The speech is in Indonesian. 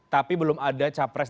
tapi belum ada capres